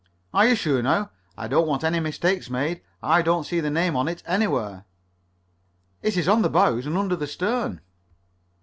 "Are you sure now? I don't want any mistake made. I don't see the name on it anywhere." "It is on the bows and under the stern."